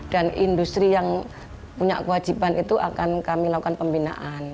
dan industri yang punya kewajiban itu akan kami lakukan pembinaan